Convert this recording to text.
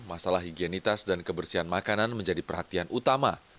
masalah higienitas dan kebersihan makanan menjadi perhatian utama